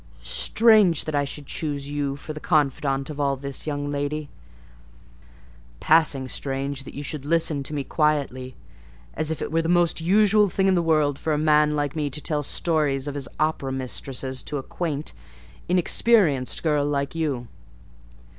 "Strange that I should choose you for the confidant of all this, young lady; passing strange that you should listen to me quietly, as if it were the most usual thing in the world for a man like me to tell stories of his opera mistresses to a quaint, inexperienced girl like you!